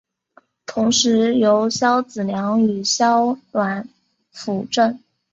同时由萧子良与萧鸾辅政。